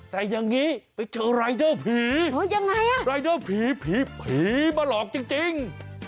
แต่อย่างนี้ไปเจอรายเดอร์ผีอ่ะรายเดอร์ผีผีมาหลอกจริง